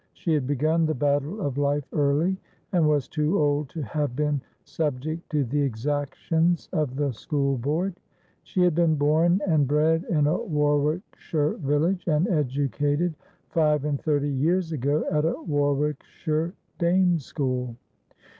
She had begun the battle of life early, and was too old to have been subject to the exactions of the School Board. She had been born and bred in a Warwickshire village, and educated five and thirtj years ago at a Warwickshire dame school.